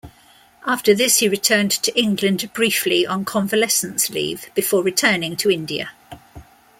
After this he returned to England briefly on convalescence leave before returning to India.